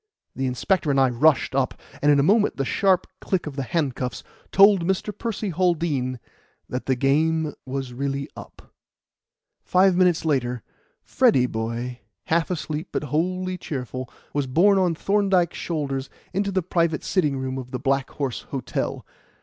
The inspector and I rushed up, and in a moment the sharp click of the handcuffs told Mr. Percy Haldean that the game was really up. Five minutes later Freddy boy, half asleep, but wholly cheerful, was borne on Thorndyke's shoulders into the private sitting room of the Black Horse Hotel.